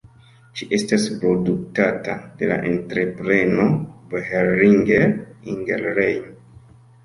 Ĝi estas produktata de la entrepreno Boehringer-Ingelheim.